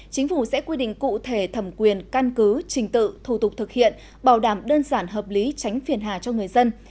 chính phủ sẽ quy định cụ thể thẩm quyền căn cứ trình tự thủ tục thực hiện bảo đảm đơn giản hợp lý tránh phiền hà cho người dân